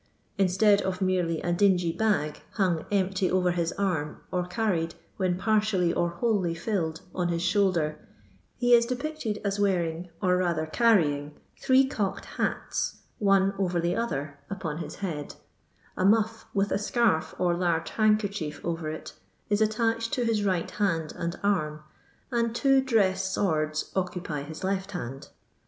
Injtead of merely a dingy bag, hang empty OTer his arm, or carried, when partially or wholly filled, on hit shoulder, he ib depicted as wearing, or rather carrying, three cocked haU, one over the other, upon his head ; a muff, with a scaif or large handkerchief over it, is attached to his right hand and arm, and two dress swords occupy his left hand.